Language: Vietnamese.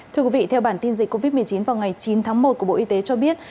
thưa quý vị theo bản tin dịch covid một mươi chín vào ngày chín tháng một của bộ y tế cho biết